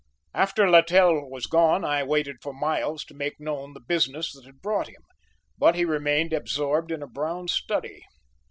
After Littell was gone, I waited for Miles to make known the business that had brought him, but he remained absorbed in a brown study.